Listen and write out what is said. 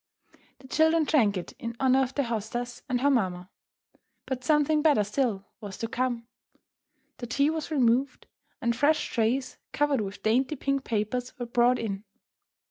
The children drank it in honour of their hostess and her mamma. But something better still was to come. The tea was removed, and fresh trays, covered with dainty pink papers, were brought in.